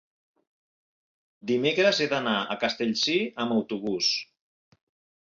dimecres he d'anar a Castellcir amb autobús.